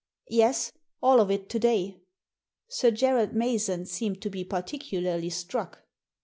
"Yes, all of it to day." Sir Gerald Mason seemed to be particularly struck.